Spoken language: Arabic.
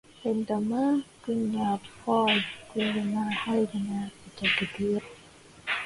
عندما كنا أطفالا، كل ما حولنا بدا كبيرا.